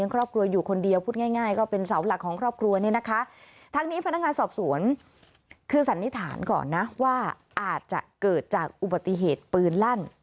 คือสันนิษฐานก่อนนะว่าอาจจะเกิดจากอุบัติเหตุปืนลั่น